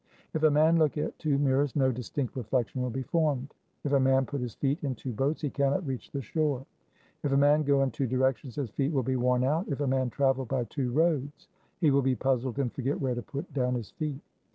If a man look at two mirrors no distinct reflection will be formed. If a man put his feet in two boats, he cannot reach the shore. If a man go in two directions, his feet will be worn out ; if a man travel by two roads, he will be puzzled and forget where to put down his feet.